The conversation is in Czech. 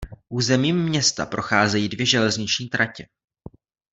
Územím města procházejí dvě železniční tratě.